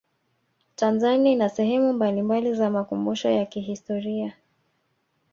tanzania ina sehemu mbalimbali za makumbusho ya kihistoria